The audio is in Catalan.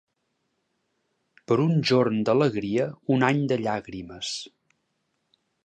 Per un jorn d'alegria, un any de llàgrimes.